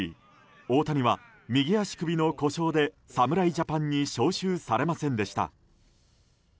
大谷は、右足首の故障で侍ジャパンに招集されませんでした。